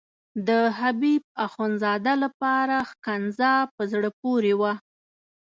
د حبیب اخندزاده لپاره ښکنځا په زړه پورې وه.